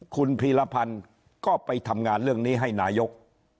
คุณพีรพันธ์ก็ไปทำงานเรื่องนี้ให้นายก